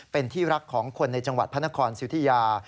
เป็นที่รักของคนในจังหวัดพระนครสุธิยา